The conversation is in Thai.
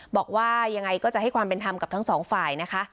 บอกว่ายังไงก็จะให้ความเป็นธรรมกับทั้งสองฝ่ายนะคะ